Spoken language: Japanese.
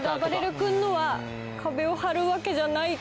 君のはかべを張るわけじゃない。